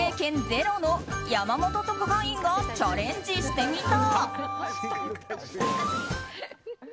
ゼロの山本特派員がチャレンジしてみた。